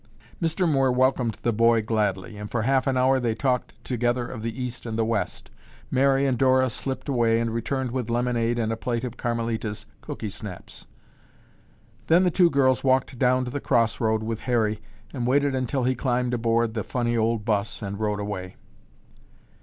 Mr. Moore welcomed the boy gladly, and, for half an hour, they talked together of the East and the West. Mary and Dora slipped away and returned with lemonade and a plate of Carmelita's cookie snaps. Then the two girls walked down to the cross road with Harry and waited until he climbed aboard the funny old 'bus and rode away.